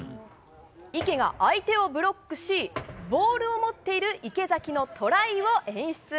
池が相手をブロックし、ボールを持っている池崎のトライを演出。